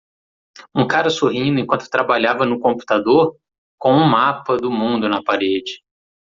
Um cara sorrindo enquanto trabalhava no computador? com um mapa do mundo na parede.